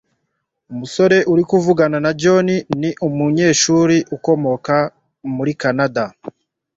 umusore urimo kuvugana na john ni umunyeshuri ukomoka muri kanada